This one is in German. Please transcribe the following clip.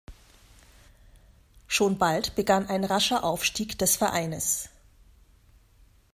Schon bald begann ein rascher Aufstieg des Vereines.